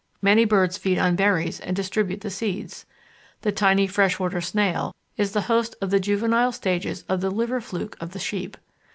Many birds feed on berries and distribute the seeds. The tiny freshwater snail is the host of the juvenile stages of the liver fluke of the sheep.